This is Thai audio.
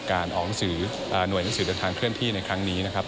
หน่วยหนังสือเดินทางเคลื่อนที่ในครั้งนี้นะครับ